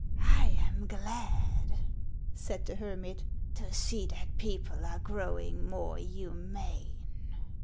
" I am glad," said the hermit, " to see that people are growing more humane."